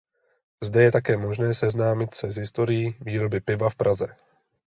Zde je také možné seznámit se s historií výroby piva v Praze.